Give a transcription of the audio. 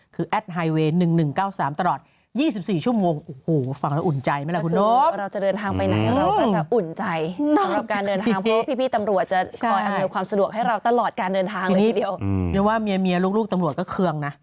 คือแอดไฮเวย์๑๑๙๓ตลอด๒๔ชั่วโมง